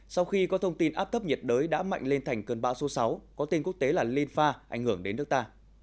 sau khi có thông tin áp thấp nhiệt đới đã mạnh lên thành cơn bão số sáu có tên quốc tế là linfa ảnh hưởng đến nước ta